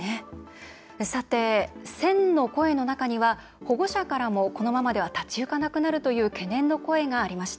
さて１０００の声の中には保護者からも、このままでは立ち行かなくなるという懸念の声がありました。